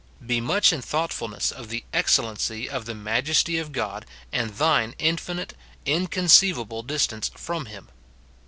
Be much in thoughtfulness of the excellency of the majesty of God and thine infinite, inconceivable distance from him.